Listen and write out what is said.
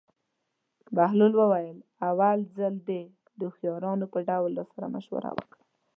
بهلول وویل: اول ځل دې د هوښیارانو په ډول راسره مشوره وکړه.